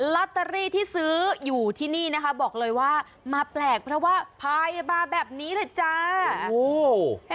ลอตเตอรี่ที่ซื้ออยู่ที่นี่นะคะบอกเลยว่ามาแปลกเพราะว่าพายมาแบบนี้แหละจ้า